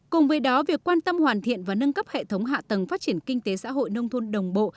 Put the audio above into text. cùng với đó việc quan tâm hoàn thiện và nâng cấp hệ thống hạ tầng phát triển kinh tế xã hội nông thôn đồng bộ